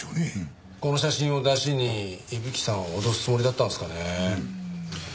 この写真をダシに伊吹さんを脅すつもりだったんですかね。